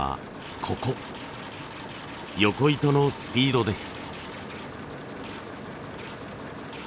ヨコ糸のスピードです。